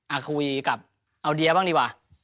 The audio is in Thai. คุยกับเอาเดียบ้างดีกว่า